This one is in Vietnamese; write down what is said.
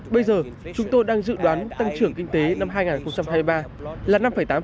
bây giờ chúng tôi đang dự đoán tăng trưởng kinh tế năm hai nghìn hai mươi ba là năm tám